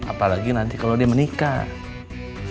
apalagi nanti kalau dia menikah